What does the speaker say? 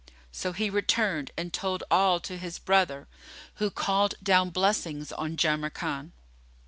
So he returned and told all to his brother, who called down blessings on Jamrkan.